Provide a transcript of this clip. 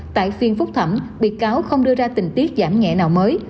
tại phiên phúc thẩm bị cáo không đưa ra tình tiết giảm nhẹ nào mới